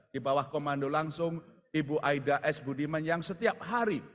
di bawah komando langsung ibu aida s budiman yang setiap hari